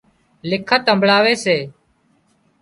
لکت همڀۯاوي سي